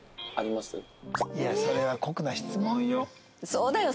そうだよ。